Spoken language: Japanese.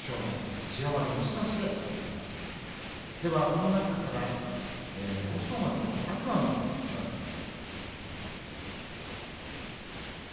この中から欧勝馬と天空海の一番です。